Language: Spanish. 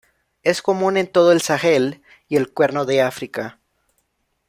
Es común en todo el Sahel y el cuerno de África.